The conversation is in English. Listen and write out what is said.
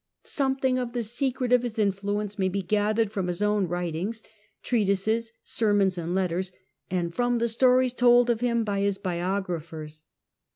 Something of the secret of his influence may be gathered from his own writings, treatises, sermons and letters, and from the stories told of him by his biographers.